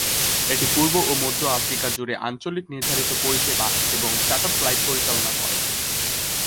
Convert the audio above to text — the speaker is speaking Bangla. এটি পূর্ব ও মধ্য আফ্রিকা জুড়ে আঞ্চলিক নির্ধারিত পরিষেবা এবং চার্টার ফ্লাইট পরিচালনা করে।